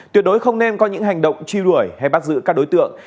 tuyệt đối không nên có những hành động truy đuổi hay bắt giữ các đối tượng